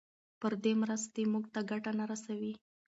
پردۍ مرستې موږ ته ګټه نه رسوي.